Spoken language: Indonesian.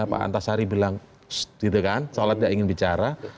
pak antasari bilang gitu kan sholat tidak ingin bicara